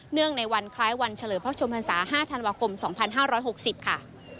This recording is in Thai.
ในวันคล้ายวันเฉลิมพระชมพันศา๕ธันวาคม๒๕๖๐ค่ะ